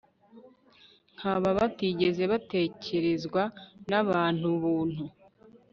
nkaba batigeze batekerezwa nabantu buntu